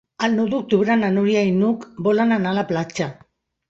El nou d'octubre na Núria i n'Hug volen anar a la platja.